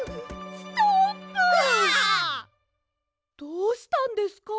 どうしたんですか？